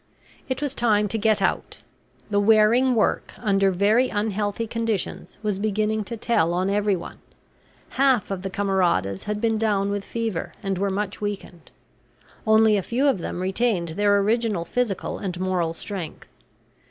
It was time to get out. The wearing work, under very unhealthy conditions, was beginning to tell on every one. Half of the camaradas had been down with fever and were much weakened; only a few of them retained their original physical and moral strength.